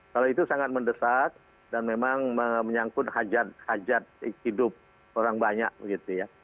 kalau itu sangat mendesak dan memang menyangkut hajat hidup orang banyak gitu ya